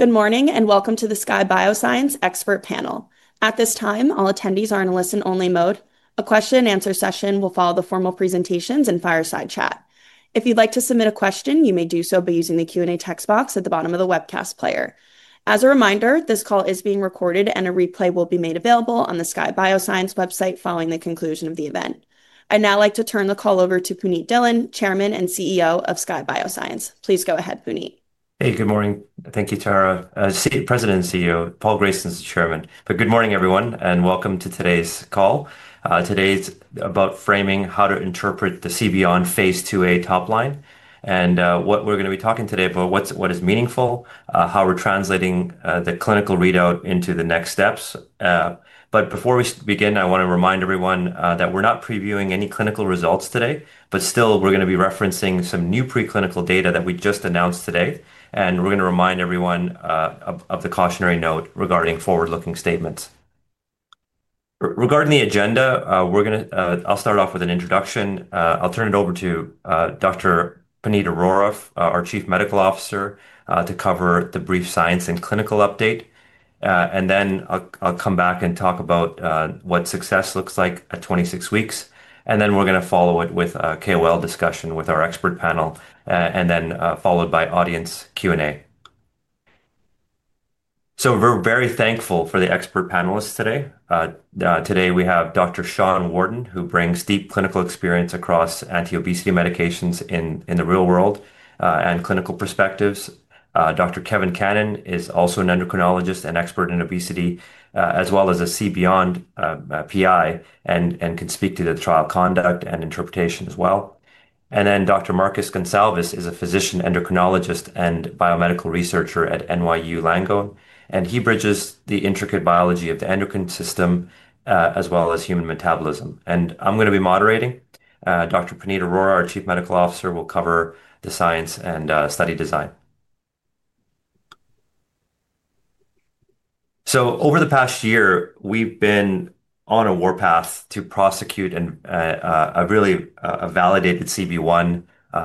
Good morning, and welcome to the Skye Bioscience expert panel. At this time, all attendees are in a listen-only mode. A question and answer session will follow the formal presentations and fireside chat. If you'd like to submit a question, you may do so by using the Q&A text box at the bottom of the webcast player. As a reminder, this call is being recorded, and a replay will be made available on the Skye Bioscience website following the conclusion of the event. I'd now like to turn the call over to Punit Dhillon, Chairman and CEO of Skye Bioscience. Please go ahead, Punit. Hey, good morning. Thank you, Tara. President and CEO. Paul Grayson is the Chairman. But good morning, everyone, and welcome to today's call. Today's about framing how to interpret the CBeyond Phase 2a topline, and what we're going to be talking today about what is meaningful, how we're translating the clinical readout into the next steps. But before we begin, I want to remind everyone that we're not previewing any clinical results today, but still we're going to be referencing some new preclinical data that we just announced today, and we're going to remind everyone of the cautionary note regarding forward-looking statements. Regarding the agenda, I'll start off with an introduction. I'll turn it over to Dr. Puneet Arora, our Chief Medical Officer, to cover the brief science and clinical update, and then I'll come back and talk about what success looks like at 26 weeks, and then we're going to follow it with a KOL discussion with our expert panel, and then followed by audience Q&A. So we're very thankful for the expert panelists today. Today we have Dr. Sean Wharton, who brings deep clinical experience across anti-obesity medications in the real world and clinical perspectives. Dr. Kenneth Cusi is also an endocrinologist and expert in obesity, as well as a CBeyond PI, and can speak to the trial conduct and interpretation as well. And then Dr. Marcus Goncalves is a physician, endocrinologist, and biomedical researcher at NYU Langone, and he bridges the intricate biology of the endocrine system, as well as human metabolism. And I'm going to be moderating. Dr. Puneet Arora, our Chief Medical Officer, will cover the science and study design. So over the past year, we've been on a warpath to prosecute and a really validated CB1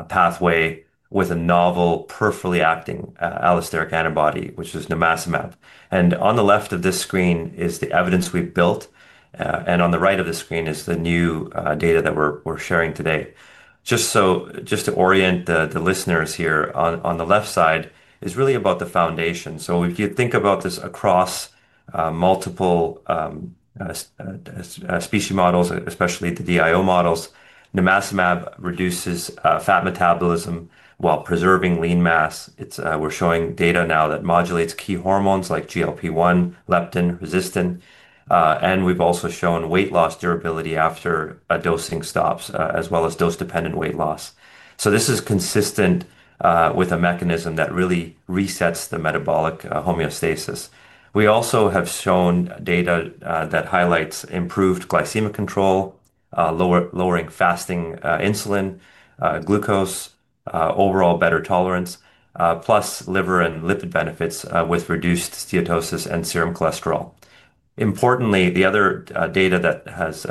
pathway with a novel peripherally acting allosteric antibody, which is nimacimab. And on the left of this screen is the evidence we've built, and on the right of the screen is the new data that we're sharing today. Just to orient the listeners here, on the left side is really about the foundation. So if you think about this across multiple species models, especially the DIO models, nimacimab reduces fat metabolism while preserving lean mass. It's... We're showing data now that modulates key hormones like GLP-1, leptin, resistin, and we've also shown weight loss durability after a dosing stops, as well as dose-dependent weight loss. So this is consistent with a mechanism that really resets the metabolic homeostasis. We also have shown data that highlights improved glycemic control, lowering fasting insulin, glucose, overall better tolerance, plus liver and lipid benefits with reduced steatosis and serum cholesterol. Importantly, the other data that has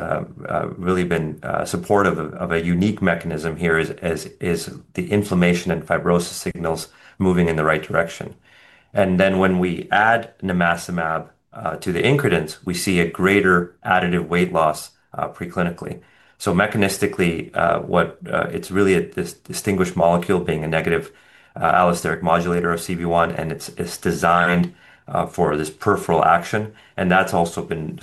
really been supportive of a unique mechanism here is the inflammation and fibrosis signals moving in the right direction. And then when we add nimacimab to the incretins, we see a greater additive weight loss preclinically. So mechanistically, it's really a distinguished molecule, being a negative allosteric modulator of CB1, and it's designed for this peripheral action, and that's also been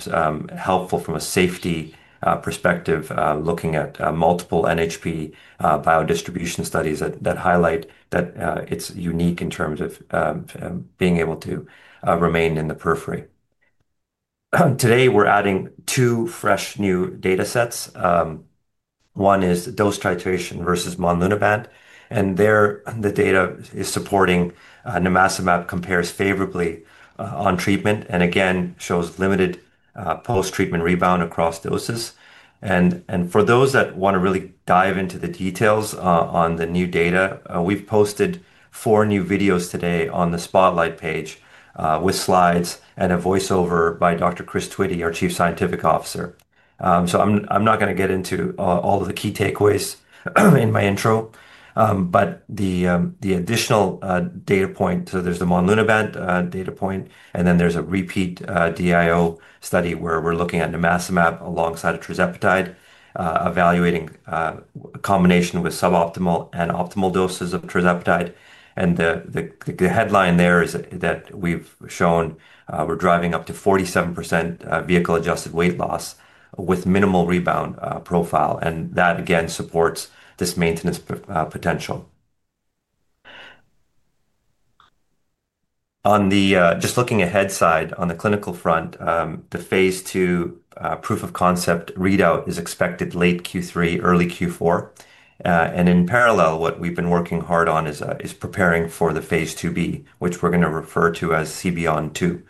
helpful from a safety perspective, looking at multiple NHP biodistribution studies that highlight that it's unique in terms of being able to remain in the periphery. Today, we're adding two fresh new data sets. One is dose titration versus monlunabant, and there, the data is supporting nimacimab compares favorably on treatment, and again, shows limited post-treatment rebound across doses. For those that want to really dive into the details on the new data, we've posted four new videos today on the spotlight page with slides and a voiceover by Dr. Chris Twitty, our Chief Scientific Officer. So I'm not going to get into all of the key takeaways in my intro. But the additional data point, so there's the monlunabant data point, and then there's a repeat DIO study, where we're looking at nimacimab alongside tirzepatide, evaluating a combination with suboptimal and optimal doses of tirzepatide. And the headline there is that we've shown we're driving up to 47% vehicle-adjusted weight loss with minimal rebound profile, and that, again, supports this maintenance potential. On the... Just looking ahead, so on the clinical front, the Phase II proof of concept readout is expected late Q3, early Q4. And in parallel, what we've been working hard on is preparing for the Phase IIb, which we're going to refer to as CBeyond-2,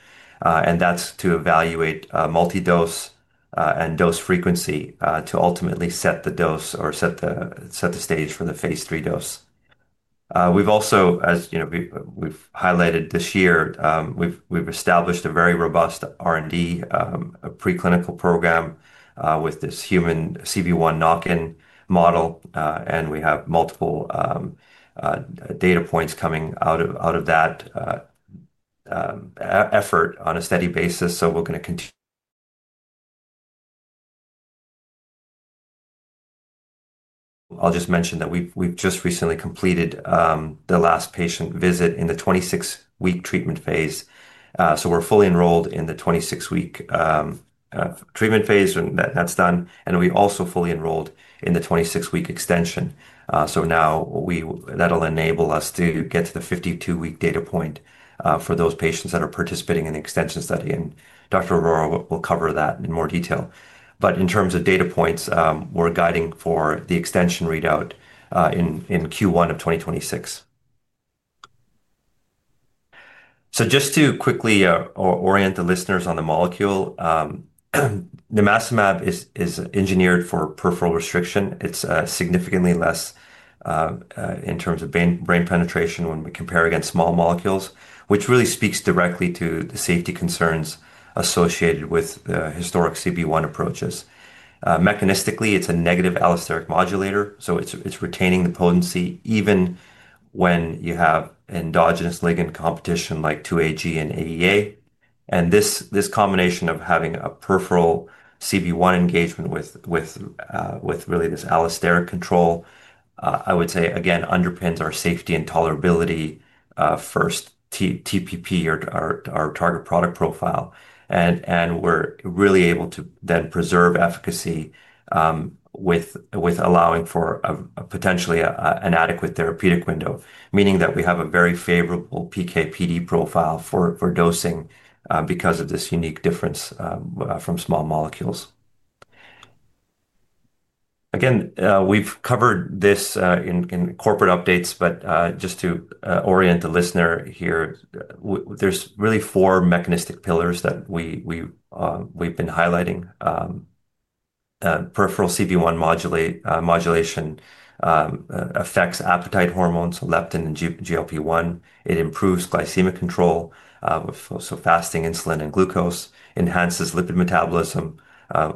and that's to evaluate multi-dose and dose frequency to ultimately set the dose or set the stage for the Phase III dose. We've also, as you know, highlighted this year, we've established a very robust R&D a preclinical program with this human CB1 knock-in model, and we have multiple data points coming out of that effort on a steady basis, so we're going to continue... I'll just mention that we've just recently completed the last patient visit in the 26-week treatment phase. So we're fully enrolled in the 26-week treatment phase, and that's done, and we also fully enrolled in the 26-week extension. So now that'll enable us to get to the 52-week data point for those patients that are participating in the extension study, and Dr. Arora will cover that in more detail. But in terms of data points, we're guiding for the extension readout in Q1 of 2026. So just to quickly orient the listeners on the molecule, nimacimab is engineered for peripheral restriction. It's significantly less in terms of brain penetration when we compare against small molecules, which really speaks directly to the safety concerns associated with historic CB1 approaches. Mechanistically, it's a negative allosteric modulator, so it's retaining the potency even when you have endogenous ligand competition like 2-AG and AEA. And this combination of having a peripheral CB1 engagement with really this allosteric control, I would say again, underpins our safety and tolerability for the TPP or our target product profile. And we're really able to then preserve efficacy with allowing for a potentially adequate therapeutic window, meaning that we have a very favorable PK/PD profile for dosing because of this unique difference from small molecules. Again, we've covered this in corporate updates, but just to orient the listener here, there's really four mechanistic pillars that we've been highlighting. Peripheral CB1 modulation affects appetite hormones, leptin and GLP-1. It improves glycemic control, so fasting insulin and glucose, enhances lipid metabolism,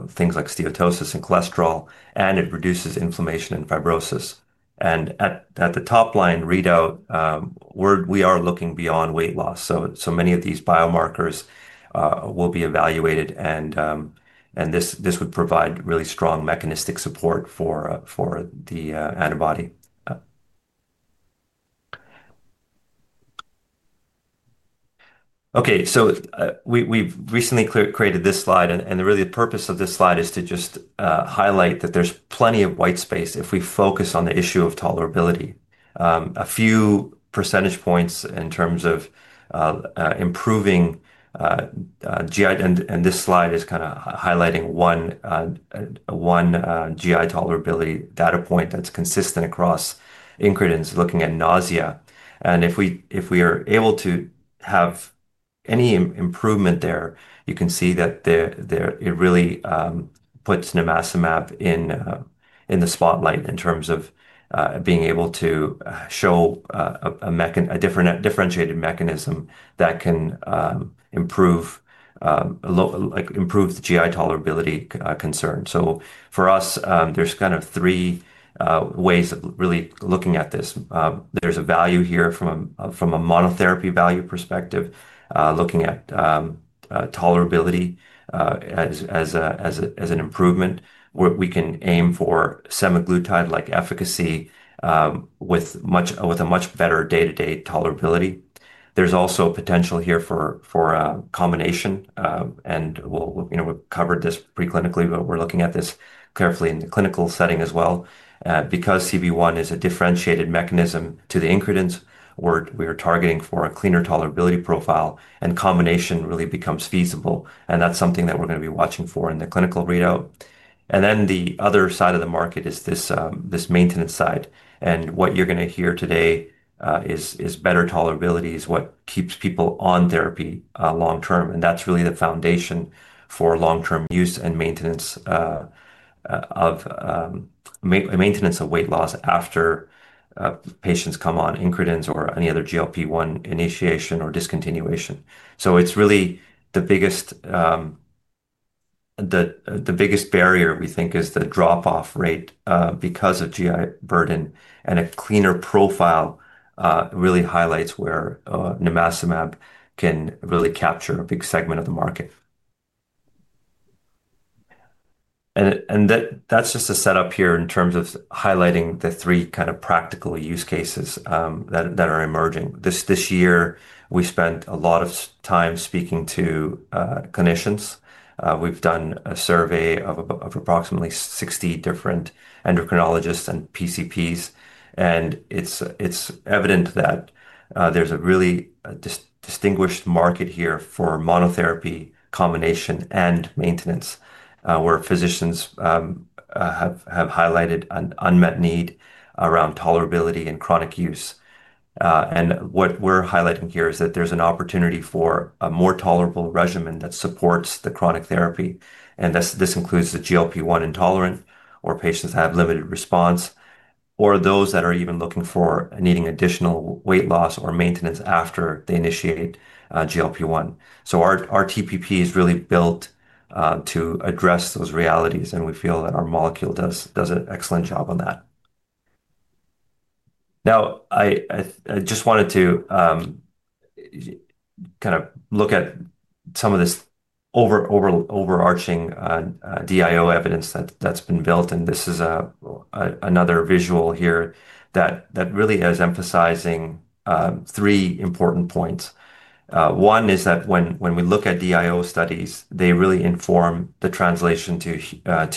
things like steatosis and cholesterol, and it reduces inflammation and fibrosis. And at the top-line readout, we're looking beyond weight loss. So many of these biomarkers will be evaluated and this would provide really strong mechanistic support for the antibody. Okay, so we've recently created this slide, and really the purpose of this slide is to just highlight that there's plenty of white space if we focus on the issue of tolerability. A few percentage points in terms of improving GI, and this slide is kinda highlighting one GI tolerability data point that's consistent across incretins, looking at nausea. And if we are able to have any improvement there, you can see that it really puts nimacimab in the spotlight in terms of being able to show a different, differentiated mechanism that can improve like improve the GI tolerability concern. So for us, there's kind of three ways of really looking at this. There's a value here from a monotherapy value perspective, looking at tolerability, as an improvement, where we can aim for semaglutide-like efficacy, with a much better day-to-day tolerability. There's also potential here for a combination, and, you know, we've covered this preclinically, but we're looking at this carefully in the clinical setting as well. Because CB1 is a differentiated mechanism to the incretins, we're targeting for a cleaner tolerability profile, and combination really becomes feasible, and that's something that we're gonna be watching for in the clinical readout. Then the other side of the market is this maintenance side. And what you're gonna hear today is better tolerability is what keeps people on therapy long term, and that's really the foundation for long-term use and maintenance of maintenance of weight loss after patients come on incretins or any other GLP-1 initiation or discontinuation. So it's really the biggest barrier, we think, is the drop-off rate because of GI burden. And a cleaner profile really highlights where nimacimab can really capture a big segment of the market. And that that's just a setup here in terms of highlighting the three kind of practical use cases that are emerging. This year, we spent a lot of time speaking to clinicians. We've done a survey of approximately 60 different endocrinologists and PCPs, and it's evident that there's a really distinguished market here for monotherapy, combination, and maintenance, where physicians have highlighted an unmet need around tolerability and chronic use, and what we're highlighting here is that there's an opportunity for a more tolerable regimen that supports the chronic therapy, and this includes the GLP-1 intolerant, or patients that have limited response, or those that are even looking for needing additional weight loss or maintenance after they initiate GLP-1, so our TPP is really built to address those realities, and we feel that our molecule does an excellent job on that. Now, I just wanted to kind of look at some of this overarching DIO evidence that's been built, and this is another visual here that really is emphasizing three important points. One is that when we look at DIO studies, they really inform the translation to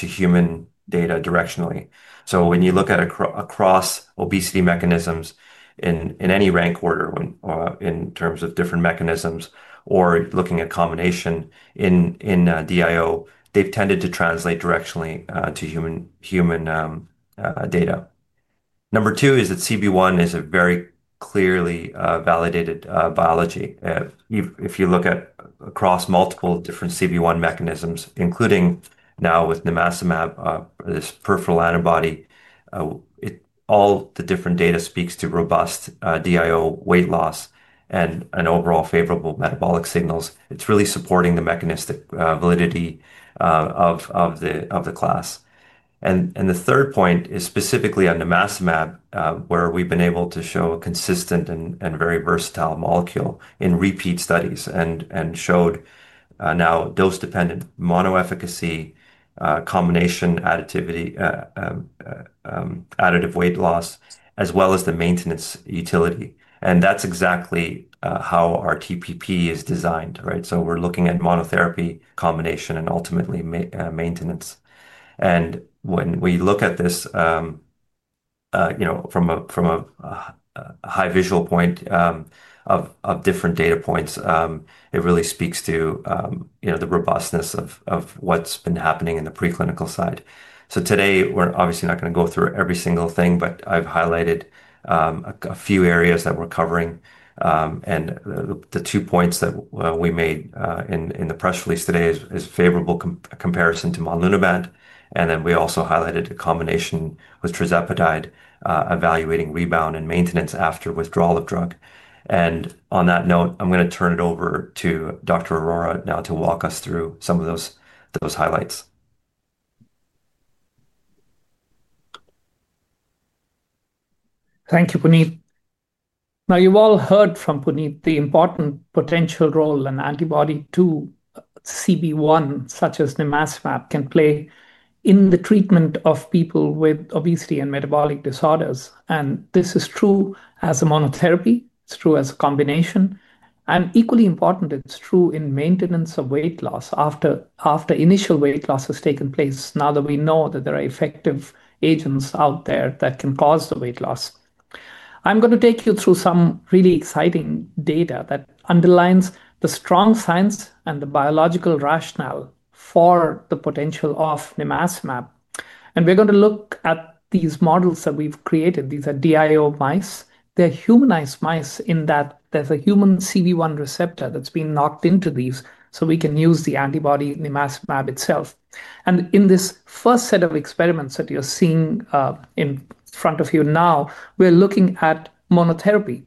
human data directionally. So when you look across obesity mechanisms in any rank order, when in terms of different mechanisms or looking at combination in DIO, they've tended to translate directionally to human data. Number two is that CB1 is a very clearly validated biology. If you look at across multiple different CB1 mechanisms, including now with nimacimab, this peripheral antibody, all the different data speaks to robust, DIO weight loss and overall favorable metabolic signals. It's really supporting the mechanistic validity of the class. And the third point is specifically on nimacimab, where we've been able to show a consistent and very versatile molecule in repeat studies and showed now dose-dependent mono efficacy, combination additivity, additive weight loss, as well as the maintenance utility. And that's exactly how our TPP is designed, right? So we're looking at monotherapy, combination, and ultimately maintenance. And when we look at this, you know, from a high-level viewpoint of different data points, it really speaks to, you know, the robustness of what's been happening in the preclinical side. So today, we're obviously not gonna go through every single thing, but I've highlighted a few areas that we're covering. And the two points that we made in the press release today is favorable comparison to monlunabant, and then we also highlighted a combination with tirzepatide, evaluating rebound and maintenance after withdrawal of drug. And on that note, I'm gonna turn it over to Dr. Arora now to walk us through some of those highlights. Thank you, Punit. Now, you've all heard from Punit the important potential role an antibody to CB1, such as nimacimab, can play in the treatment of people with obesity and metabolic disorders. And this is true as a monotherapy, it's true as a combination, and equally important, it's true in maintenance of weight loss after initial weight loss has taken place, now that we know that there are effective agents out there that can cause the weight loss. I'm gonna take you through some really exciting data that underlines the strong science and the biological rationale for the potential of nimacimab. And we're going to look at these models that we've created. These are DIO mice. They're humanized mice, in that there's a human CB1 receptor that's been knocked into these, so we can use the antibody, nimacimab, itself. And in this first set of experiments that you're seeing in front of you now, we're looking at monotherapy.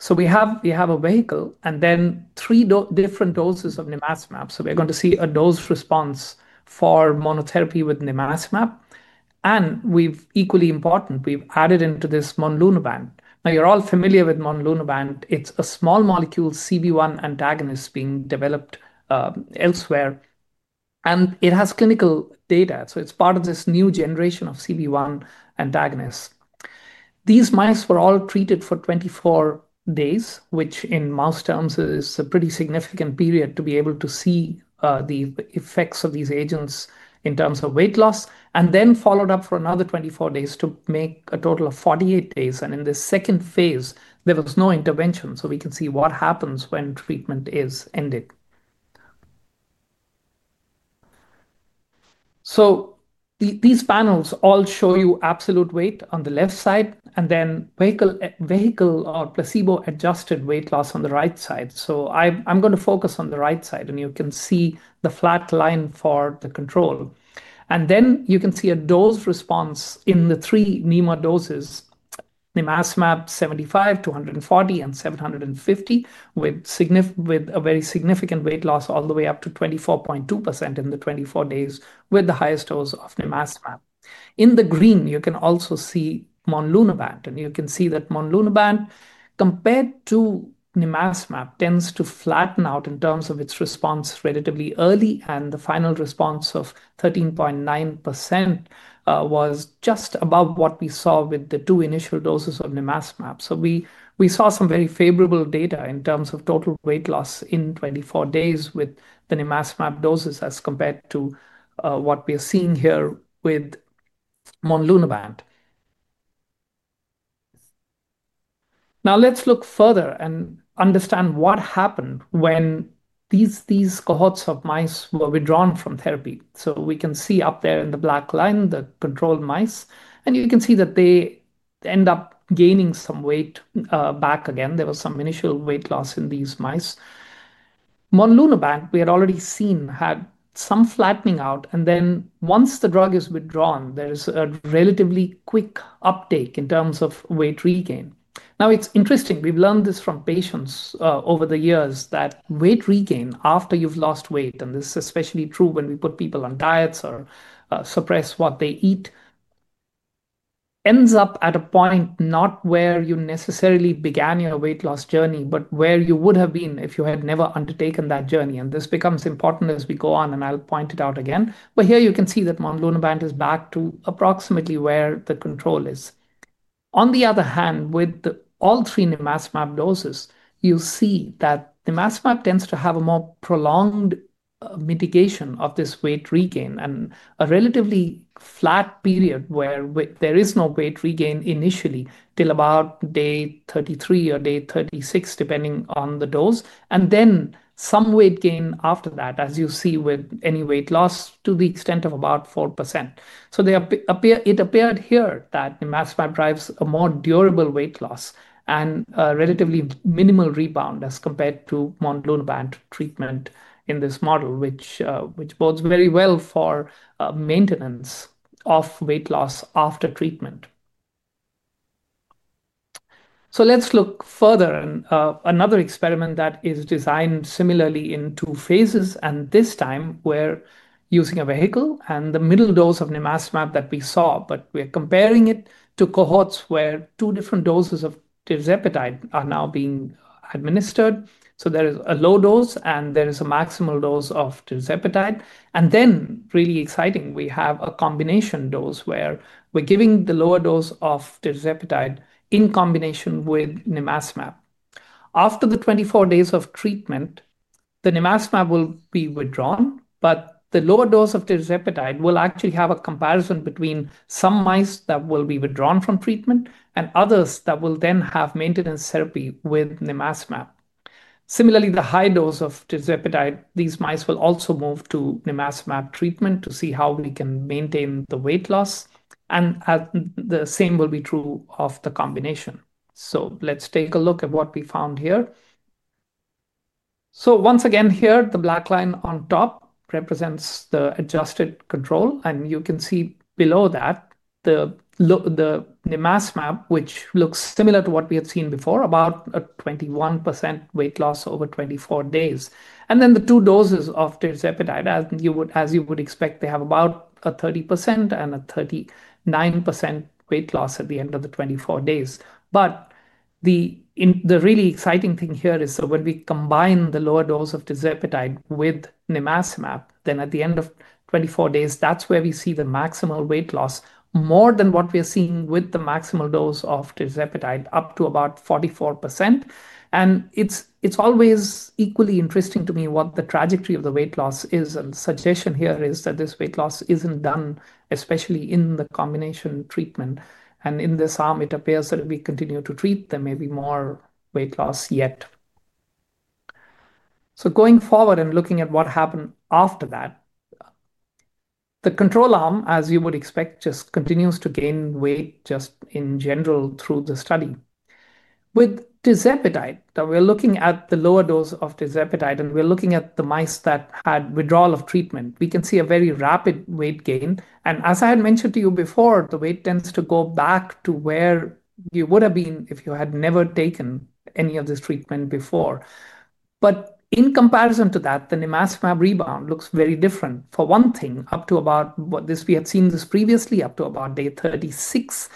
So we have a vehicle and then three different doses of nimacimab. So we're going to see a dose response for monotherapy with nimacimab. And equally important, we've added into this monlunabant. Now, you're all familiar with monlunabant. It's a small molecule CB1 antagonist being developed elsewhere, and it has clinical data, so it's part of this new generation of CB1 antagonists. These mice were all treated for twenty-four days, which, in mouse terms, is a pretty significant period to be able to see the effects of these agents in terms of weight loss, and then followed up for another twenty-four days to make a total of forty-eight days. In this second phase, there was no intervention, so we can see what happens when treatment is ended. These panels all show you absolute weight on the left side, and then vehicle or placebo-adjusted weight loss on the right side. I'm gonna focus on the right side, and you can see the flat line for the control. You can see a dose response in the three nimacimab doses, nimacimab seventy-five, two hundred and forty, and seven hundred and fifty, with a very significant weight loss all the way up to 24.2% in the twenty-four days, with the highest dose of nimacimab. In the green, you can also see monlunabant, and you can see that monlunabant, compared to nimacimab, tends to flatten out in terms of its response relatively early, and the final response of 13.9%, was just above what we saw with the two initial doses of nimacimab. So we saw some very favorable data in terms of total weight loss in 24 days with the nimacimab doses as compared to what we are seeing here with monlunabant. Now, let's look further and understand what happened when these cohorts of mice were withdrawn from therapy. So we can see up there in the black line, the control mice, and you can see that they end up gaining some weight back again. There was some initial weight loss in these mice. Monlunabant, we had already seen, had some flattening out, and then once the drug is withdrawn, there is a relatively quick uptake in terms of weight regain. Now, it's interesting, we've learned this from patients over the years, that weight regain after you've lost weight, and this is especially true when we put people on diets or suppress what they eat, ends up at a point not where you necessarily began your weight loss journey, but where you would have been if you had never undertaken that journey, and this becomes important as we go on, and I'll point it out again. But here you can see that monlunabant is back to approximately where the control is. On the other hand, with all three nimacimab doses, you'll see that nimacimab tends to have a more prolonged mitigation of this weight regain and a relatively flat period where there is no weight regain initially, till about day 33 or day 36, depending on the dose, and then some weight gain after that, as you see with any weight loss, to the extent of about 4%. So it appeared here that nimacimab drives a more durable weight loss and a relatively minimal rebound as compared to monlunabant treatment in this model, which bodes very well for maintenance of weight loss after treatment. So let's look further and, another experiment that is designed similarly in two phases, and this time we're using a vehicle and the middle dose of nimacimab that we saw, but we are comparing it to cohorts where two different doses of tirzepatide are now being administered. So there is a low dose, and there is a maximal dose of tirzepatide. And then, really exciting, we have a combination dose where we're giving the lower dose of tirzepatide in combination with nimacimab. After the twenty-four days of treatment, the nimacimab will be withdrawn, but the lower dose of tirzepatide will actually have a comparison between some mice that will be withdrawn from treatment and others that will then have maintenance therapy with nimacimab. Similarly, the high dose of tirzepatide, these mice will also move to nimacimab treatment to see how we can maintain the weight loss, and, the same will be true of the combination. So let's take a look at what we found here. So once again, here, the black line on top represents the adjusted control, and you can see below that the nimacimab, which looks similar to what we had seen before, about a 21% weight loss over twenty-four days. And then the two doses of tirzepatide, as you would, as you would expect, they have about a 30% and a 39% weight loss at the end of the twenty-four days. But the really exciting thing here is, so when we combine the lower dose of tirzepatide with nimacimab, then at the end of 24 days, that's where we see the maximal weight loss, more than what we are seeing with the maximal dose of tirzepatide, up to about 44%. And it's always equally interesting to me what the trajectory of the weight loss is, and the suggestion here is that this weight loss isn't done, especially in the combination treatment. And in this arm, it appears that if we continue to treat, there may be more weight loss yet. So going forward and looking at what happened after that, the control arm, as you would expect, just continues to gain weight, just in general through the study. With tirzepatide, now we're looking at the lower dose of tirzepatide, and we're looking at the mice that had withdrawal of treatment. We can see a very rapid weight gain, and as I had mentioned to you before, the weight tends to go back to where you would have been if you had never taken any of this treatment before. But in comparison to that, the nimacimab rebound looks very different. For one thing, up to about day 36, we had seen this previously, the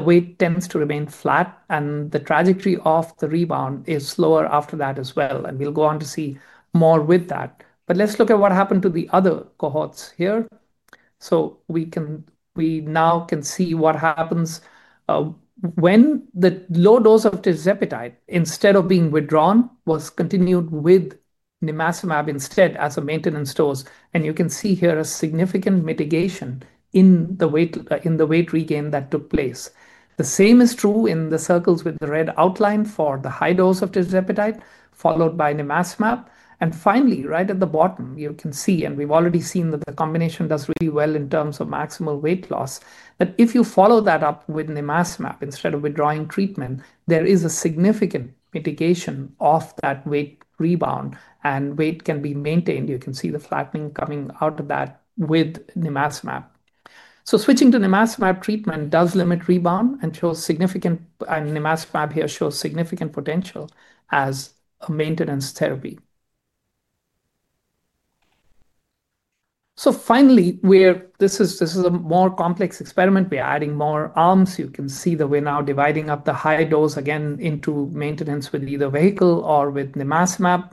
weight tends to remain flat, and the trajectory of the rebound is slower after that as well, and we'll go on to see more with that. But let's look at what happened to the other cohorts here. So we can now see what happens, when the low dose of tirzepatide, instead of being withdrawn, was continued with nimacimab instead as a maintenance dose, and you can see here a significant mitigation in the weight regain that took place. The same is true in the circles with the red outline for the high dose of tirzepatide, followed by nimacimab. And finally, right at the bottom, you can see, and we've already seen that the combination does really well in terms of maximal weight loss. But if you follow that up with nimacimab instead of withdrawing treatment, there is a significant mitigation of that weight rebound, and weight can be maintained. You can see the flattening coming out of that with nimacimab. So switching to nimacimab treatment does limit rebound and shows significant... And nimacimab here shows significant potential as a maintenance therapy. So finally, this is a more complex experiment. We're adding more arms. You can see that we're now dividing up the higher dose again into maintenance with either vehicle or with nimacimab. And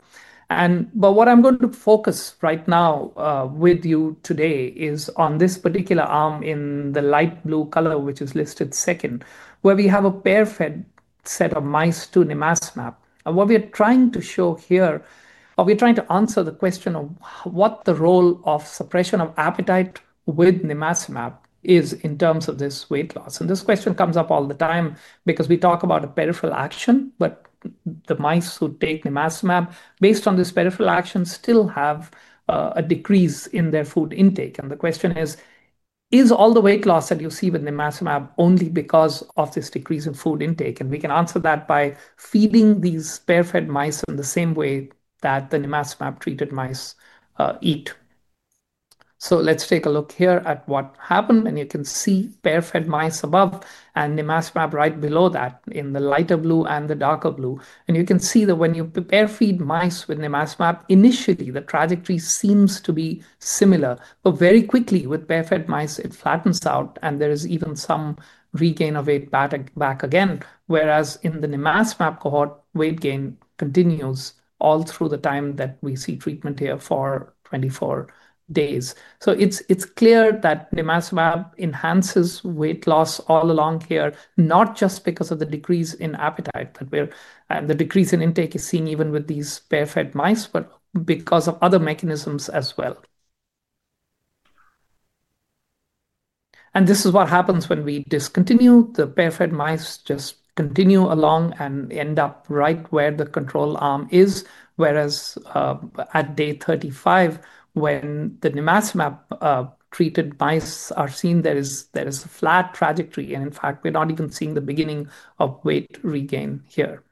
but what I'm going to focus right now with you today is on this particular arm in the light blue color, which is listed second, where we have a pair-fed set of mice to nimacimab. And what we are trying to show here, we're trying to answer the question of what the role of suppression of appetite with nimacimab is in terms of this weight loss. And this question comes up all the time because we talk about a peripheral action, but the mice who take nimacimab, based on this peripheral action, still have a decrease in their food intake. The question is: Is all the weight loss that you see with nimacimab only because of this decrease in food intake? We can answer that by feeding these pair-fed mice in the same way that the nimacimab-treated mice eat... Let's take a look here at what happened, and you can see pair-fed mice above and nimacimab right below that in the lighter blue and the darker blue. You can see that when you pair-feed mice with nimacimab, initially the trajectory seems to be similar, but very quickly with pair-fed mice, it flattens out, and there is even some regain of weight back again. Whereas in the nimacimab cohort, weight gain continues all through the time that we see treatment here for twenty-four days. It's clear that nimacimab enhances weight loss all along here, not just because of the decrease in appetite, but where the decrease in intake is seen even with these pair-fed mice, but because of other mechanisms as well. And this is what happens when we discontinue. The pair-fed mice just continue along and end up right where the control arm is, whereas at day thirty-five, when the nimacimab treated mice are seen, there is a flat trajectory, and in fact, we're not even seeing the beginning of weight regain here.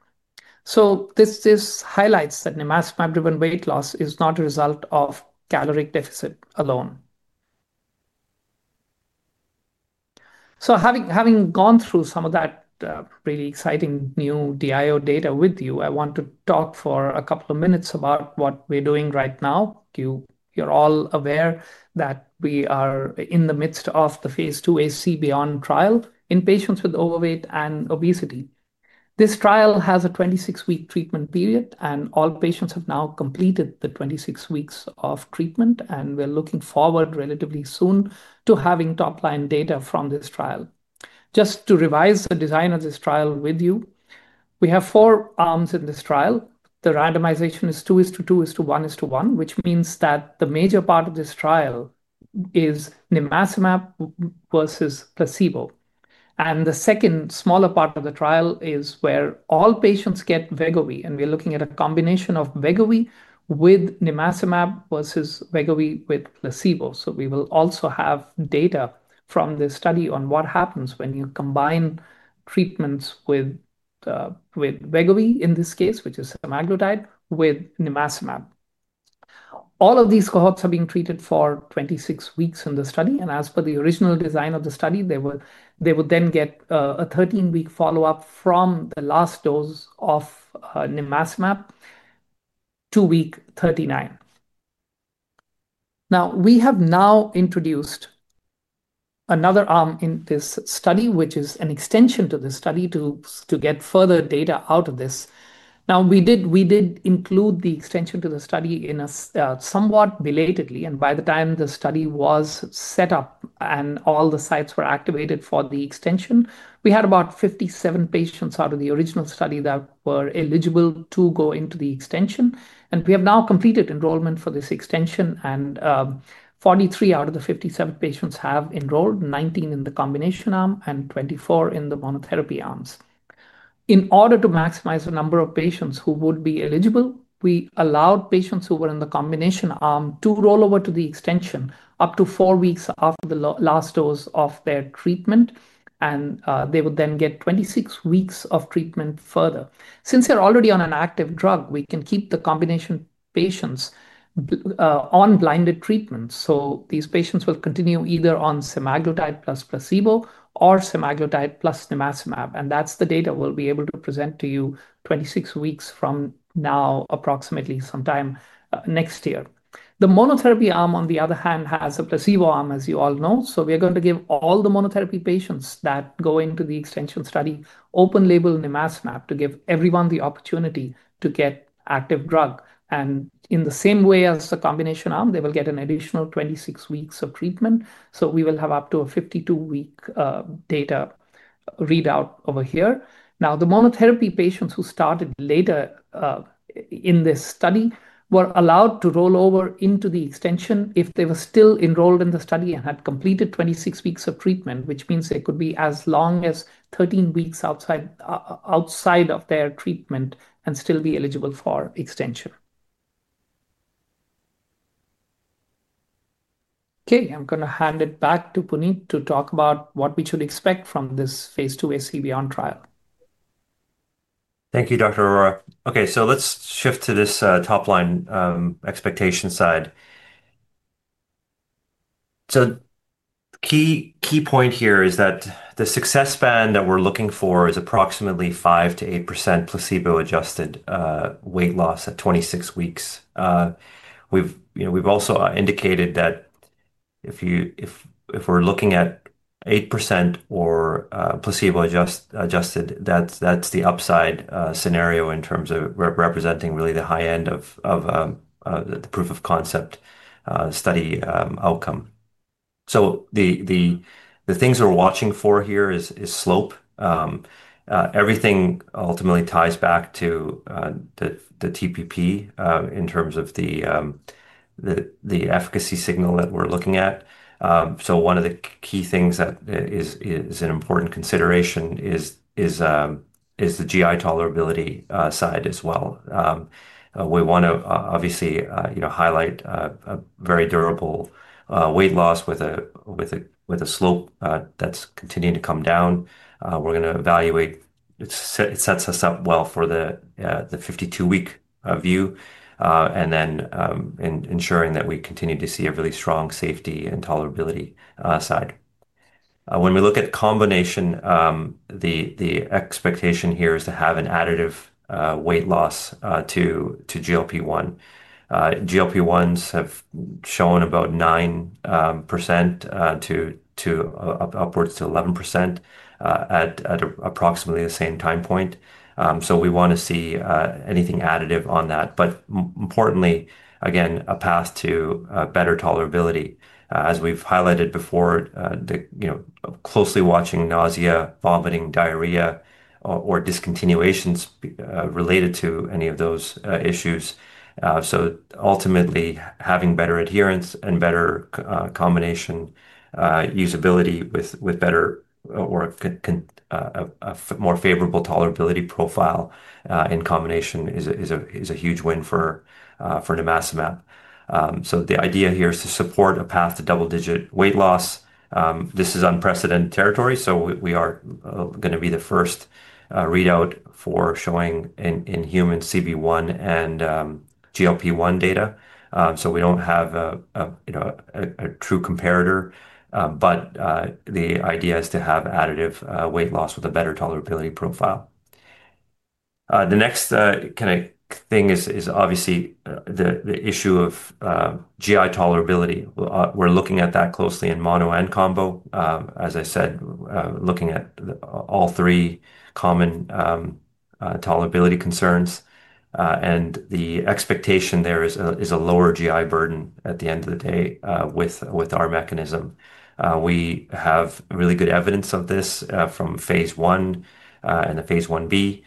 So this highlights that nimacimab-driven weight loss is not a result of caloric deficit alone. So having gone through some of that really exciting new DIO data with you, I want to talk for a couple of minutes about what we're doing right now. You're all aware that we are in the midst of the Phase II CBeyond trial in patients with overweight and obesity. This trial has a twenty-six-week treatment period, and all patients have now completed the twenty-six weeks of treatment, and we're looking forward relatively soon to having top-line data from this trial. Just to revise the design of this trial with you, we have four arms in this trial. The randomization is two is to two is to one is to one, which means that the major part of this trial is nimacimab versus placebo, and the second smaller part of the trial is where all patients get Wegovy, and we're looking at a combination of Wegovy with nimacimab versus Wegovy with placebo. So we will also have data from this study on what happens when you combine treatments with Wegovy, in this case, which is semaglutide, with nimacimab. All of these cohorts are being treated for 26 weeks in the study, and as per the original design of the study, they will then get a 13-week follow-up from the last dose of nimacimab to week 39. Now, we have introduced another arm in this study, which is an extension to this study, to get further data out of this. Now, we did include the extension to the study somewhat belatedly, and by the time the study was set up and all the sites were activated for the extension, we had about 57 patients out of the original study that were eligible to go into the extension. We have now completed enrollment for this extension, and 43 out of the 57 patients have enrolled, 19 in the combination arm and 24 in the monotherapy arms. In order to maximize the number of patients who would be eligible, we allowed patients who were in the combination arm to roll over to the extension up to four weeks after the last dose of their treatment, and they would then get 26 weeks of treatment further. Since they're already on an active drug, we can keep the combination patients on blinded treatment. So these patients will continue either on semaglutide plus placebo or semaglutide plus nimacimab, and that's the data we'll be able to present to you 26 weeks from now, approximately sometime next year. The monotherapy arm, on the other hand, IIhas a placebo arm, as you all know. We are going to give all the monotherapy patients that go into the extension study open-label nimacimab to give everyone the opportunity to get active drug, and in the same way as the combination arm, they will get an additional 26 weeks of treatment, so we will have up to a 52-week data readout over here. Now, the monotherapy patients who started later in this study were allowed to roll over into the extension if they were still enrolled in the study and had completed 26 weeks of treatment, which means they could be as long as 13 weeks outside of their treatment and still be eligible for extension. Okay, I'm gonna hand it back to Punit to talk about what we should expect from this Phase II CBeyond trial. Thank you, Dr. Arora. Okay, so let's shift to this, top-line expectation side. So key point here is that the success span that we're looking for is approximately 5%-8% placebo-adjusted weight loss at 26 weeks. We've, you know, also indicated that if we're looking at 8% or placebo-adjusted, that's the upside scenario in terms of representing really the high end of the proof of concept study outcome. So the things we're watching for here is slope. Everything ultimately ties back to the TPP in terms of the efficacy signal that we're looking at. One of the key things that is an important consideration is the GI tolerability side as well. We wanna obviously you know highlight a very durable weight loss with a slope that's continuing to come down. It sets us up well for the 52-week view, and then in ensuring that we continue to see a really strong safety and tolerability side. When we look at combination, the expectation here is to have an additive weight loss to GLP-1. GLP-1s have shown about 9%-11% at approximately the same time point. So we want to see anything additive on that. But importantly, again, a path to better tolerability. As we've highlighted before, the, you know, closely watching nausea, vomiting, diarrhea, or discontinuations related to any of those issues. So ultimately, having better adherence and better combination usability with better or a more favorable tolerability profile in combination is a huge win for nimacimab. So the idea here is to support a path to double-digit weight loss. This is unprecedented territory, so we are gonna be the first readout for showing in human CB1 and GLP-1 data. So we don't have a you know a true comparator, but the idea is to have additive weight loss with a better tolerability profile. The next kinda thing is obviously the issue of GI tolerability. We're looking at that closely in mono and combo. As I said, looking at all three common tolerability concerns, and the expectation there is a lower GI burden at the end of the day with our mechanism. We have really good evidence of this from Phase 1 and the Phase 1b,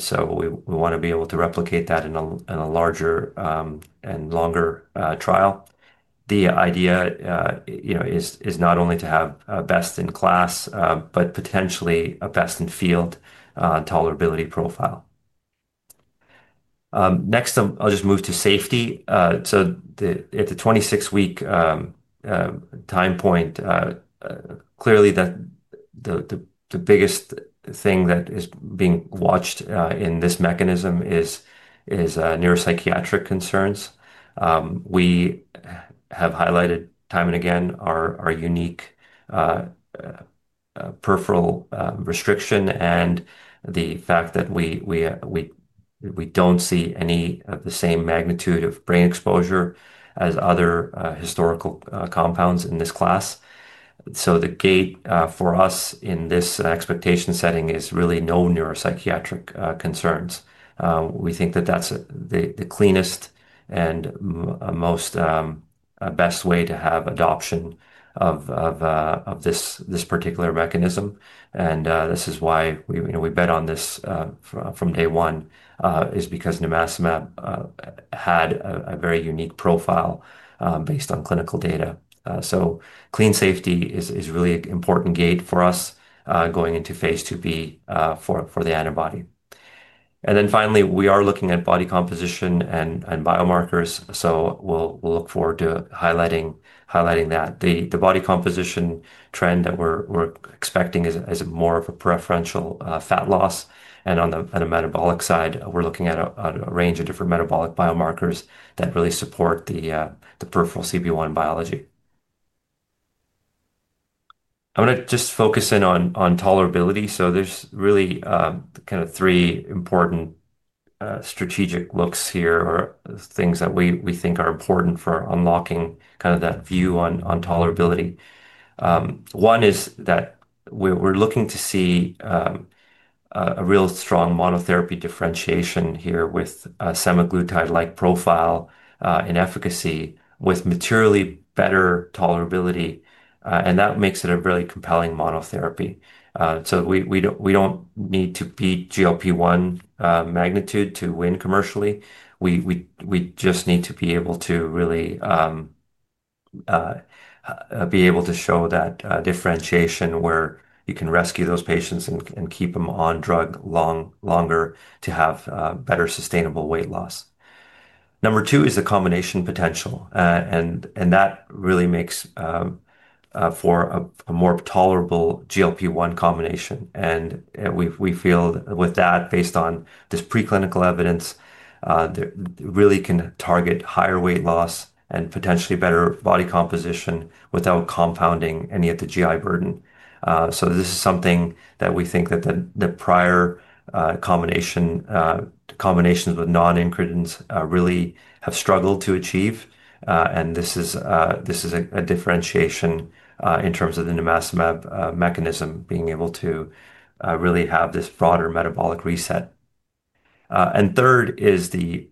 so we wanna be able to replicate that in a larger and longer trial. The idea you know is not only to have a best-in-class but potentially a best-in-field tolerability profile. Next, I'll just move to safety. So the, at the twenty-six-week time point, clearly, the biggest thing that is being watched in this mechanism is neuropsychiatric concerns. We have highlighted time and again our unique peripheral restriction and the fact that we don't see any of the same magnitude of brain exposure as other historical compounds in this class. So the gate for us in this expectation setting is really no neuropsychiatric concerns. We think that that's the cleanest and most best way to have adoption of this particular mechanism, and this is why we, you know, we bet on this from day one is because nimacimab had a very unique profile based on clinical data. So clean safety is really an important gate for us going into phase 2b for the antibody, and then finally, we are looking at body composition and biomarkers, so we'll look forward to highlighting that. The body composition trend that we're expecting is more of a preferential fat loss, and on a metabolic side, we're looking at a range of different metabolic biomarkers that really support the peripheral CB1 biology. I wanna just focus in on tolerability, so there's really kind of three important strategic looks here or things that we think are important for unlocking kind of that view on tolerability. One is that we're looking to see a real strong monotherapy differentiation here with a semaglutide-like profile in efficacy, with materially better tolerability, and that makes it a really compelling monotherapy, so we don't need to beat GLP-1 magnitude to win commercially. We just need to be able to really be able to show that differentiation, where you can rescue those patients and keep them on drug longer to have better sustainable weight loss. Number two is the combination potential, and that really makes for a more tolerable GLP-1 combination, and we feel with that, based on this preclinical evidence, that really can target higher weight loss and potentially better body composition without compounding any of the GI burden. So this is something that we think that the prior combinations with non-incretins really have struggled to achieve, and this is a differentiation in terms of the nimacimab mechanism, being able to really have this broader metabolic reset. And third is the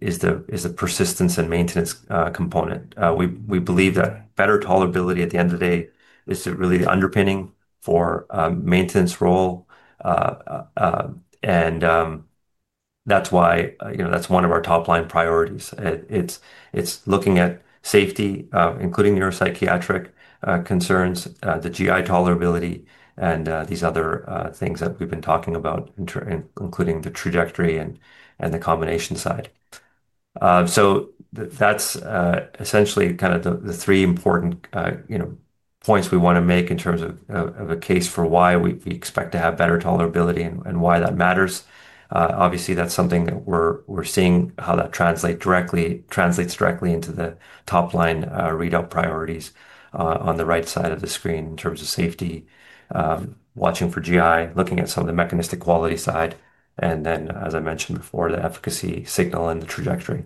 persistence and maintenance component. We believe that better tolerability at the end of the day is really the underpinning for maintenance role. And that's why, you know, that's one of our top-line priorities. It's looking at safety, including neuropsychiatric concerns, the GI tolerability, and these other things that we've been talking about, including the trajectory and the combination side. So that's essentially kind of the three important, you know, points we wanna make in terms of a case for why we expect to have better tolerability and why that matters. Obviously, that's something that we're seeing how that translates directly into the top line readout priorities on the right side of the screen in terms of safety. Watching for GI, looking at some of the mechanistic quality side, and then, as I mentioned before, the efficacy signal and the trajectory.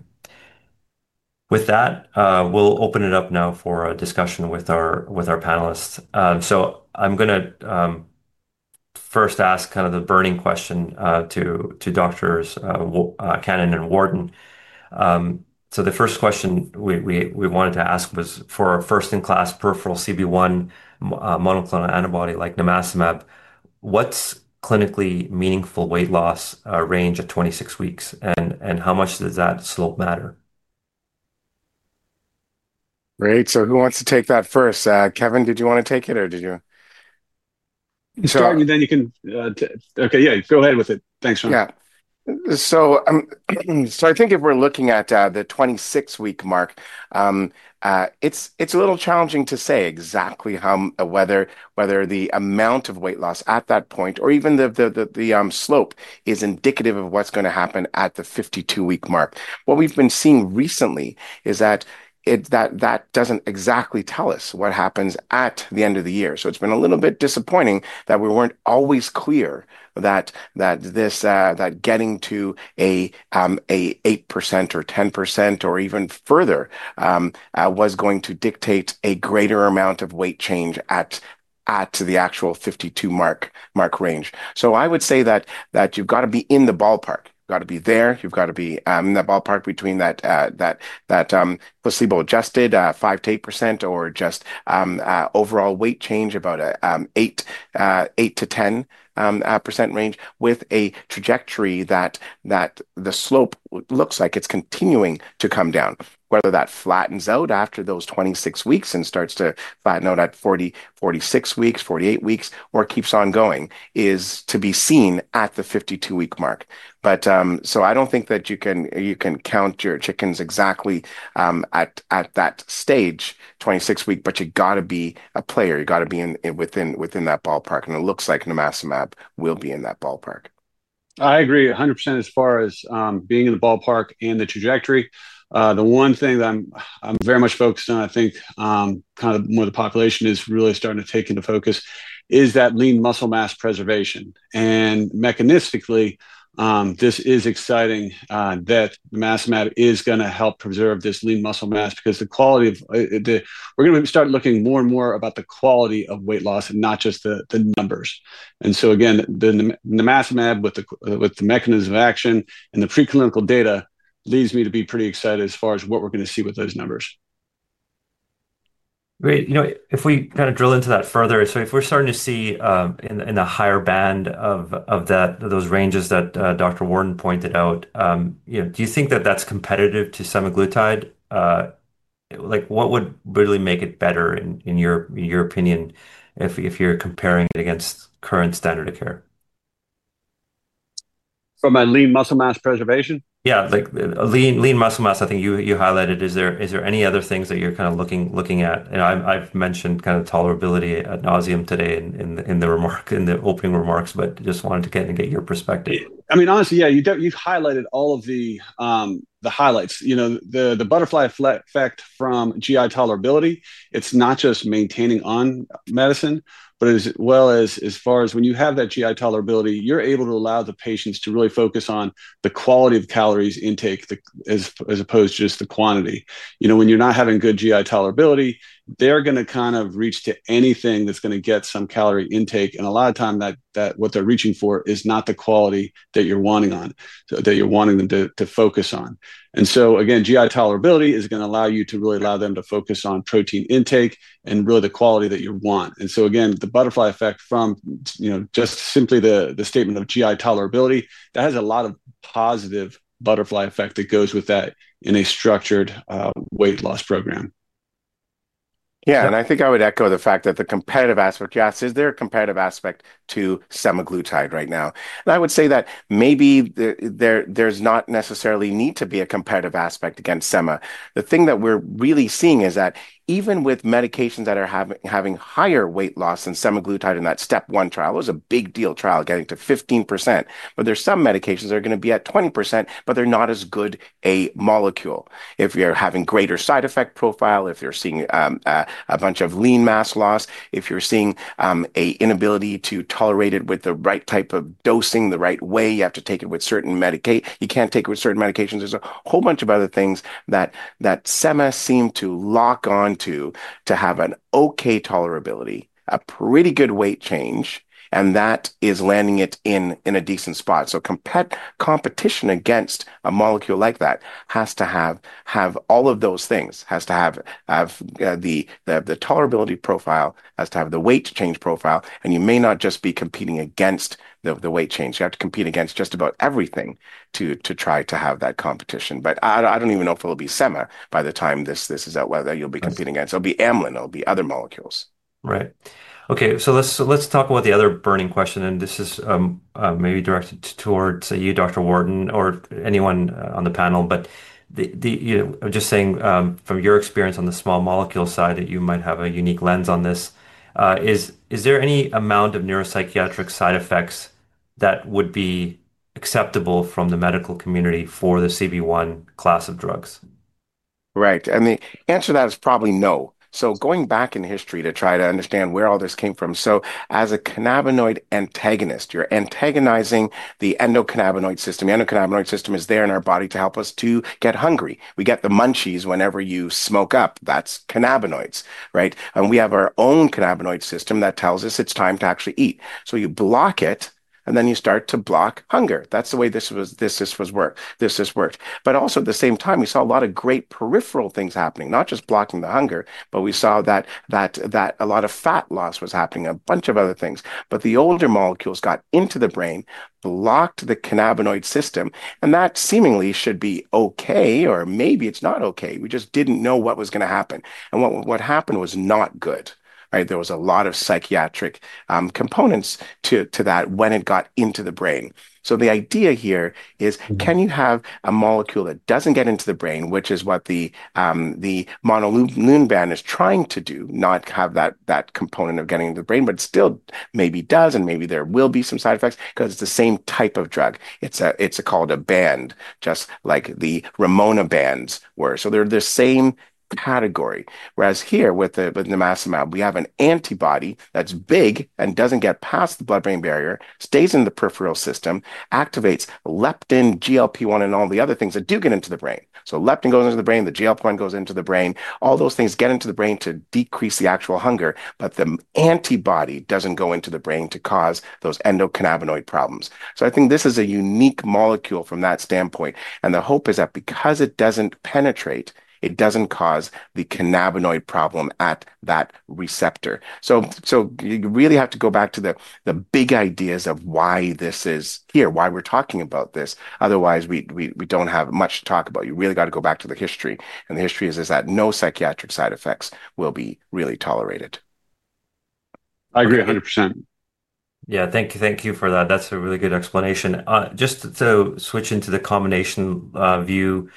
With that, we'll open it up now for a discussion with our panelists. So I'm gonna first ask kind of the burning question to Doctors Ken Cusi and Wharton. So the first question we wanted to ask was: for a first-in-class peripheral CB1 monoclonal antibody, like nimacimab, what's clinically meaningful weight loss range at 26 weeks, and how much does that slope matter? Great, so who wants to take that first? Kevin, did you wanna take it, or did you- Start, and then you can. Okay, yeah, go ahead with it. Thanks, Sean. Yeah. So, I think if we're looking at the 26-week mark, it's a little challenging to say exactly how whether the amount of weight loss at that point or even the slope is indicative of what's gonna happen at the 52-week mark. What we've been seeing recently is that it doesn't exactly tell us what happens at the end of the year. So it's been a little bit disappointing that we weren't always clear that this that getting to a 8% or 10% or even further was going to dictate a greater amount of weight change at the actual 52-week mark range. So I would say that you've gotta be in the ballpark. You've gotta be there, you've gotta be in the ballpark between that placebo-adjusted 5%-8% or just overall weight change about 8%-10% range, with a trajectory that the slope looks like it's continuing to come down. Whether that flattens out after those 26 weeks and starts to flatten out at 40, 46 weeks, 48 weeks, or keeps on going, is to be seen at the 52-week mark. But so I don't think that you can count your chickens exactly at that stage, 26-week, but you've gotta be a player. You've gotta be in within that ballpark, and it looks like nimacimab will be in that ballpark. I agree 100% as far as, being in the ballpark and the trajectory. The one thing that I'm very much focused on, I think, kind of more the population is really starting to take into focus, is that lean muscle mass preservation. And mechanistically, this is exciting, that nimacimab is gonna help preserve this lean muscle mass because the quality of, the... We're gonna start looking more and more about the quality of weight loss and not just the, the numbers. And so again, the nimacimab, with the, with the mechanism of action and the preclinical data, leads me to be pretty excited as far as what we're gonna see with those numbers. Great. You know, if we kind of drill into that further, so if we're starting to see in a higher band of those ranges that Dr. Wharton pointed out, you know, do you think that that's competitive to semaglutide? Like, what would really make it better in your opinion, if you're comparing it against current standard of care? From a lean muscle mass preservation? Yeah, like lean muscle mass, I think you highlighted. Is there any other things that you're kind of looking at? And I've mentioned kind of tolerability ad nauseam today in the opening remarks, but just wanted to kind of get your perspective. I mean, honestly, yeah, you've highlighted all of the highlights. You know, the butterfly effect from GI tolerability, it's not just maintaining on medicine, but as well as, as far as when you have that GI tolerability, you're able to allow the patients to really focus on the quality of calories intake, as opposed to just the quantity. You know, when you're not having good GI tolerability, they're gonna kind of reach to anything that's gonna get some calorie intake, and a lot of time, that what they're reaching for is not the quality that you're wanting on, so that you're wanting them to focus on. And so, again, GI tolerability is gonna allow you to really allow them to focus on protein intake and really the quality that you want. And so, again, the butterfly effect from, you know, just simply the statement of GI tolerability, that has a lot of positive butterfly effect that goes with that in a structured weight loss program. Yeah, and I think I would echo the fact that the competitive aspect, yes, is there a competitive aspect to semaglutide right now? And I would say that maybe there's not necessarily a need to be a competitive aspect against sema. The thing that we're really seeing is that even with medications that are having higher weight loss than semaglutide in that STEP 1 trial, it was a big deal trial, getting to 15%, but there's some medications that are gonna be at 20%, but they're not as good a molecule. If you're having greater side effect profile, if you're seeing a bunch of lean mass loss, if you're seeing an inability to tolerate it with the right type of dosing, the right way, you have to take it with certain medica- you can't take it with certain medications. There's a whole bunch of other things that sema seem to lock onto to have an okay tolerability, a pretty good weight change, and that is landing it in a decent spot. Competition against a molecule like that has to have all of those things, has to have the tolerability profile, has to have the weight change profile, and you may not just be competing against the weight change. You have to compete against just about everything to try to have that competition. But I don't even know if it'll be sema by the time this is out, whether you'll be competing against. It'll be amylin, it'll be other molecules. Right. Okay, so let's talk about the other burning question, and this is maybe directed towards you, Dr. Wharton, or anyone on the panel. But the you know, I'm just saying, from your experience on the small molecule side, that you might have a unique lens on this. Is there any amount of neuropsychiatric side effects that would be acceptable from the medical community for the CB1 class of drugs? Right, and the answer to that is probably no, so going back in history to try to understand where all this came from, so as a cannabinoid antagonist, you're antagonizing the endocannabinoid system. The endocannabinoid system is there in our body to help us to get hungry. We get the munchies whenever you smoke up. That's cannabinoids, right, and we have our own cannabinoid system that tells us it's time to actually eat, so you block it, and then you start to block hunger. That's the way this has worked, but also, at the same time, we saw a lot of great peripheral things happening, not just blocking the hunger, but we saw that a lot of fat loss was happening, a bunch of other things. But the older molecules got into the brain, blocked the cannabinoid system, and that seemingly should be okay, or maybe it's not okay. We just didn't know what was gonna happen, and what happened was not good, right? There was a lot of psychiatric components to that when it got into the brain. So the idea here is- Can you have a molecule that doesn't get into the brain, which is what the monlunabant is trying to do, not have that, that component of getting into the brain, but still maybe does, and maybe there will be some side effects, 'cause it's the same type of drug. It's called a bant just like the rimonabants were. So they're the same category. Whereas here, with nimacimab, we have an antibody that's big and doesn't get past the blood-brain barrier, stays in the peripheral system, activates leptin, GLP-1, and all the other things that do get into the brain. So leptin goes into the brain, the GLP-1 goes into the brain. All those things get into the brain to decrease the actual hunger, but the antibody doesn't go into the brain to cause those endocannabinoid problems. I think this is a unique molecule from that standpoint, and the hope is that because it doesn't penetrate, it doesn't cause the cannabinoid problem at that receptor. You really have to go back to the big ideas of why this is here, why we're talking about this. Otherwise, we don't have much to talk about. You really gotta go back to the history, and the history is that no psychiatric side effects will be really tolerated. I agree 100%. Yeah, thank you. Thank you for that. That's a really good explanation. Just to switch into the combination view,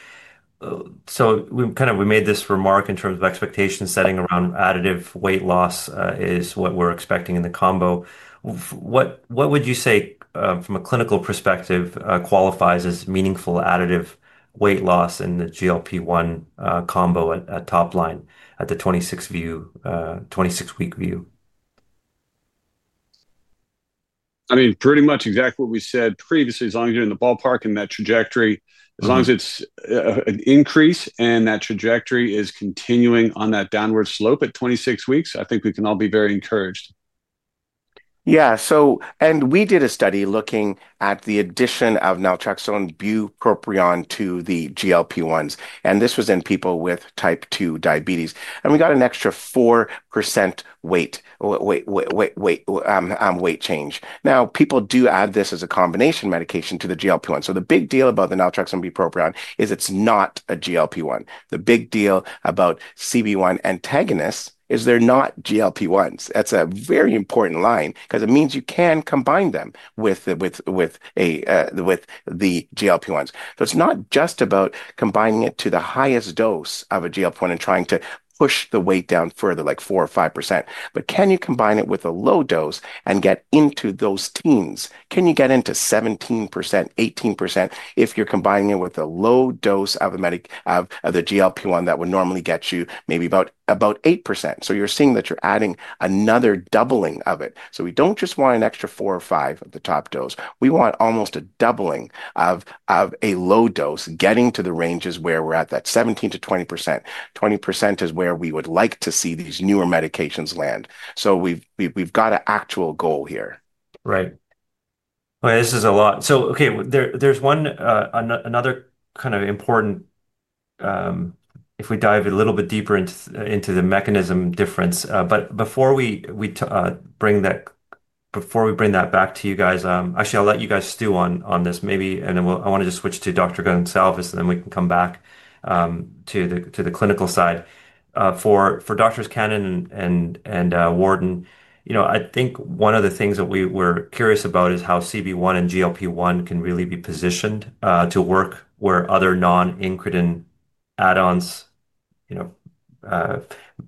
so we kind of, we made this remark in terms of expectation, setting around additive weight loss, is what we're expecting in the combo. What would you say, from a clinical perspective, qualifies as meaningful additive weight loss in the GLP-1 combo at top line, at the twenty-six view, twenty-six-week view? I mean, pretty much exactly what we said previously, as long as you're in the ballpark and that trajectory as long as it's an increase and that trajectory is continuing on that downward slope at twenty-six weeks, I think we can all be very encouraged. Yeah, so we did a study looking at the addition of naltrexone/bupropion to the GLP-1s, and this was in people with type 2 diabetes. We got an extra 4% weight change. Now, people do add this as a combination medication to the GLP-1. The big deal about the naltrexone/bupropion is it's not a GLP-1. The big deal about CB1 antagonists is they're not GLP-1s. That's a very important line 'cause it means you can combine them with the GLP-1s. It's not just about combining it to the highest dose of a GLP-1 and trying to push the weight down further, like 4% or 5%, but can you combine it with a low dose and get into those teens? Can you get into 17%, 18%, if you're combining it with a low dose of a medic- of, of the GLP-1 that would normally get you maybe about, about 8%? So you're seeing that you're adding another doubling of it. So we don't just want an extra 4 or 5 at the top dose, we want almost a doubling of, of a low dose, getting to the ranges where we're at, that 17%-20%. 20% is where we would like to see these newer medications land. So we've, we've, we've got a actual goal here. Right. Well, this is a lot. So, okay, there, there's one, another kind of important, if we dive a little bit deeper into the mechanism difference. But before we bring that back to you guys, actually, I'll let you guys stew on this maybe, and then we'll. I wanted to switch to Dr. Goncalves, and then we can come back to the clinical side. For Doctors Ken Cusi and Wharton, you know, I think one of the things that we were curious about is how CB1 and GLP-1 can really be positioned to work where other non-incretin add-ons, you know,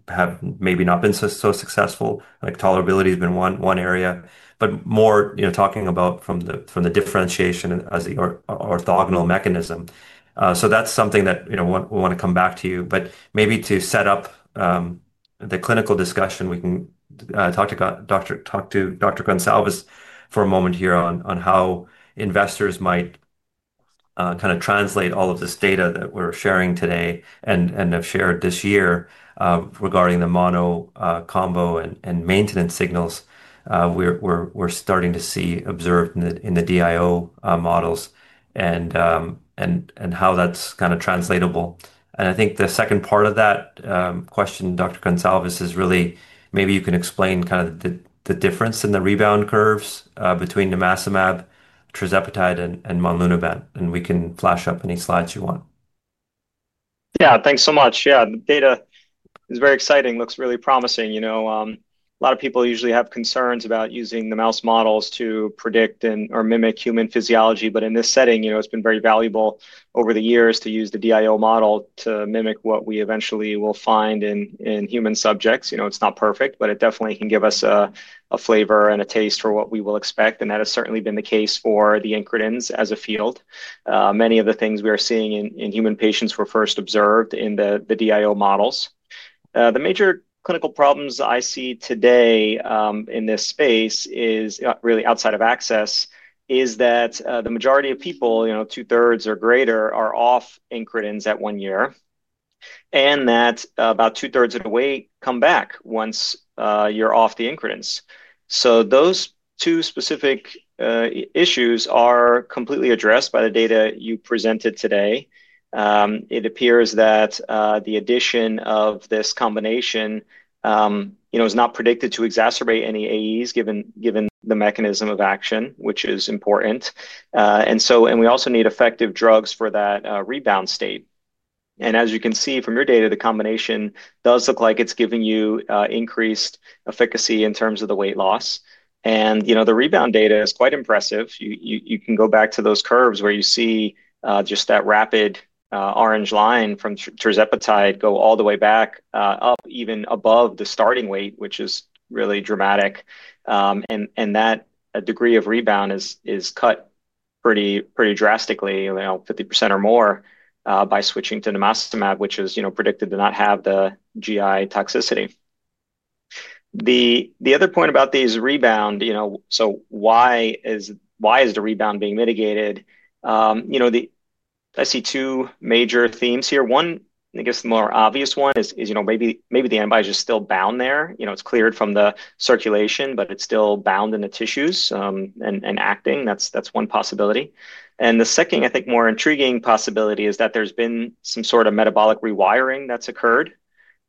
have maybe not been so successful. Like tolerability has been one area, but more, you know, talking about from the differentiation as the orthogonal mechanism. So that's something that, you know, we wanna come back to you, but maybe to set up the clinical discussion, we can talk to Dr. Goncalves for a moment here on how investors might kind of translate all of this data that we're sharing today and have shared this year regarding the mono combo and maintenance signals. We're starting to see observed in the DIO models, and how that's kind of translatable. I think the second part of that question, Dr. Goncalves, is really maybe you can explain kind of the difference in the rebound curves between nimacimab, tirzepatide, and monlunabant, and we can flash up any slides you want. Yeah, thanks so much. Yeah, the data is very exciting, looks really promising. You know, a lot of people usually have concerns about using the mouse models to predict and or mimic human physiology, but in this setting, you know, it's been very valuable over the years to use the DIO model to mimic what we eventually will find in human subjects. You know, it's not perfect, but it definitely can give us a flavor and a taste for what we will expect, and that has certainly been the case for the incretins as a field. Many of the things we are seeing in human patients were first observed in the DIO models. The major clinical problems I see today in this space is really outside of access is that the majority of people, you know, two-thirds or greater, are off incretins at one year, and that about two-thirds of the weight come back once you're off the incretins. So those two specific issues are completely addressed by the data you presented today. It appears that the addition of this combination, you know, is not predicted to exacerbate any AEs, given the mechanism of action, which is important, and we also need effective drugs for that rebound state. As you can see from your data, the combination does look like it's giving you increased efficacy in terms of the weight loss, and you know, the rebound data is quite impressive. You can go back to those curves where you see just that rapid orange line from tirzepatide go all the way back up even above the starting weight, which is really dramatic. And that degree of rebound is cut pretty drastically, you know, 50% or more by switching to nimacimab, which is, you know, predicted to not have the GI toxicity. The other point about these rebound, you know, so why is the rebound being mitigated? You know, I see two major themes here. One, I guess the more obvious one is, you know, maybe the antibody is just still bound there. You know, it's cleared from the circulation, but it's still bound in the tissues and acting. That's one possibility. And the second, I think, more intriguing possibility is that there's been some sort of metabolic rewiring that's occurred.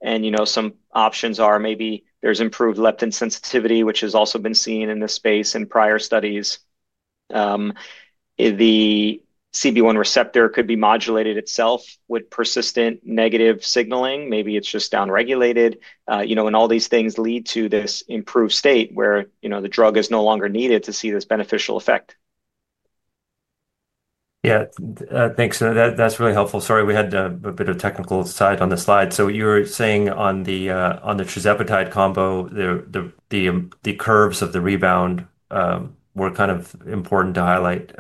And, you know, some options are maybe there's improved leptin sensitivity, which has also been seen in this space in prior studies. The CB1 receptor could be modulated itself with persistent negative signaling. Maybe it's just down-regulated, you know, and all these things lead to this improved state where, you know, the drug is no longer needed to see this beneficial effect. Yeah. Thanks. That's really helpful. Sorry, we had a bit of technical snag on the slide. So you were saying on the tirzepatide combo, the curves of the rebound were kind of important to highlight.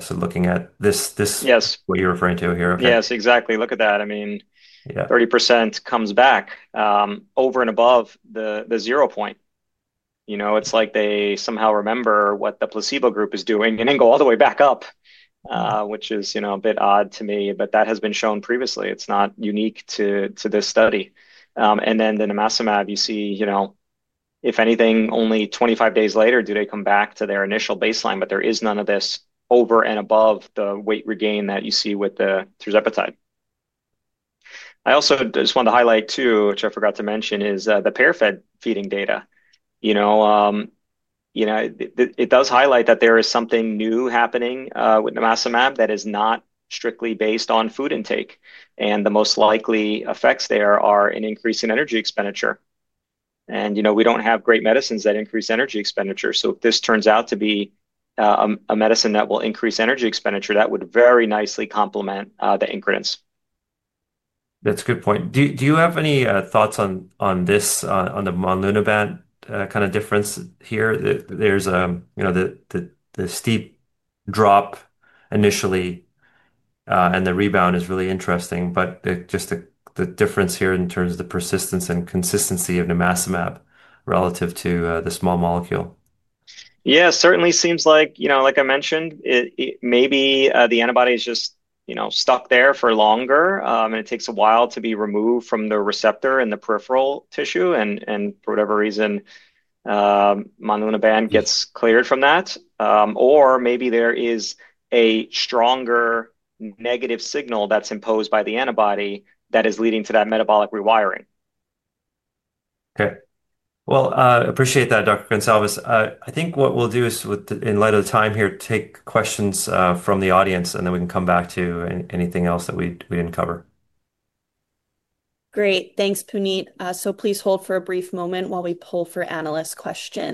So looking at this, this- Yes. what you're referring to here. Yes, exactly. Look at that. I mean- Yeah 30% comes back over and above the zero point. You know, it's like they somehow remember what the placebo group is doing, and then go all the way back up, which is, you know, a bit odd to me, but that has been shown previously. It's not unique to this study. And then the nimacimab, you see, you know, if anything, only 25 days later do they come back to their initial baseline, but there is none of this over and above the weight regain that you see with the tirzepatide. I also just want to highlight, which I forgot to mention, is the pair-fed feeding data. You know, you know, it does highlight that there is something new happening with nimacimab that is not strictly based on food intake, and the most likely effects there are an increase in energy expenditure, and you know, we don't have great medicines that increase energy expenditure, so if this turns out to be a medicine that will increase energy expenditure, that would very nicely complement the incretins. That's a good point. Do you have any thoughts on this, on the dulaglutide kind of difference here? There's, you know, the steep drop initially and the rebound is really interesting, but just the difference here in terms of the persistence and consistency of nimacimab relative to the small molecule. Yeah, certainly seems like, you know, like I mentioned, it maybe the antibody is just, you know, stuck there for longer, and it takes a while to be removed from the receptor in the peripheral tissue, and for whatever reason, dulaglutide gets cleared from that. Or maybe there is a stronger negative signal that's imposed by the antibody that is leading to that metabolic rewiring. Okay. Well, I appreciate that, Dr. Goncalves. I think what we'll do is, within light of the time here, take questions from the audience, and then we can come back to anything else that we didn't cover. Great. Thanks, Punit. So please hold for a brief moment while we pull for analyst questions.